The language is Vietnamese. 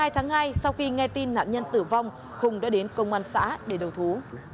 hai mươi tháng hai sau khi nghe tin nạn nhân tử vong hùng đã đến công an xã để đầu thú